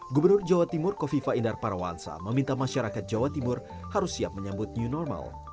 gubernur jawa timur kofifa indar parawansa meminta masyarakat jawa timur harus siap menyambut new normal